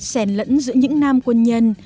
sèn lẫn giữa những nam quân nhân